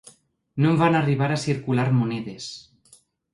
No en van arribar a circular monedes.